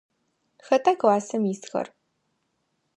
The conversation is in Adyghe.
Хэта классым исхэр?